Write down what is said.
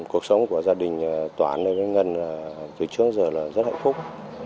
cuộc sống của gia đình toán với ngân từ trước đến giờ là rất hạnh phúc